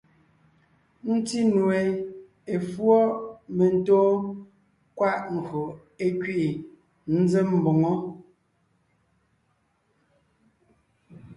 Ńtí nue, efǔɔ mentóon kwaʼ ńgÿo é kẅiʼi ńzém mboŋó.